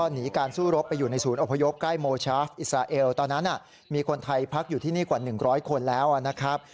ให้ฟังแล้วเขาก็อยากจะกลับเมืองไทยขนาดไหนนะครับ